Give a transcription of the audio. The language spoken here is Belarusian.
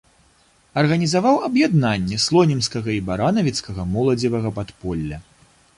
Арганізаваў аб'яднанне слонімскага і баранавіцкага моладзевага падполля.